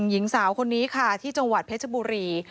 หญิงสาวคนนี้ค่ะที่จังหวัดเพชรบุรี